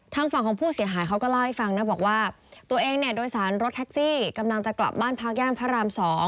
ทางฝั่งของผู้เสียหายเขาก็เล่าให้ฟังนะบอกว่าตัวเองเนี่ยโดยสารรถแท็กซี่กำลังจะกลับบ้านพักย่านพระราม๒